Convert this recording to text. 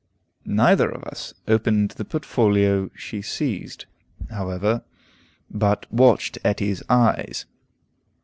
Neither of us opened the portfolio she seized, however, but watched Etty's eyes.